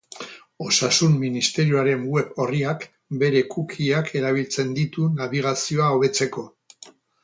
Osasun Ministerioaren web orriak bere cookie-ak erabiltzen ditu nabigazioa hobetzeko.